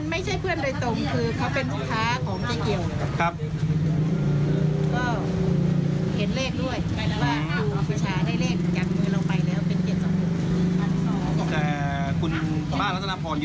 ไม่ใช่เพื่อนโดยตรงคือเขาเป็นสุขาของเจ้าเกี่ยว